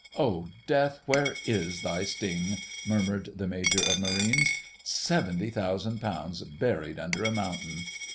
"Oh Death, where is thy sting!" murmured the Major of Marines. "Seventy thousand pounds buried under a mountain!"